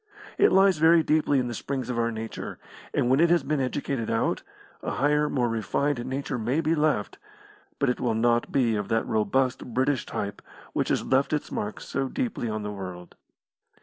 It lies very deeply in the springs of our nature, and when it has been educated out, a higher, more refined nature may be left, but it will not be of that robust British type which has left its mark so deeply on the world.